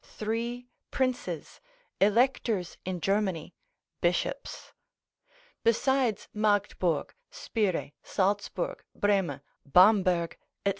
Three princes, electors in Germany, bishops; besides Magdeburg, Spire, Saltsburg, Breme, Bamberg, &c.